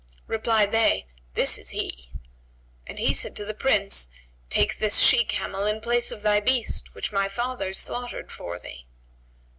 Replied they, "This is he;" and he said to the prince, "Take this she camel in place of thy beast which my father slaughtered for thee."